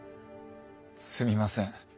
すみません。